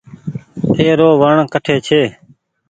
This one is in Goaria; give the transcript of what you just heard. اي رو وڻ ڪٺي ڇي۔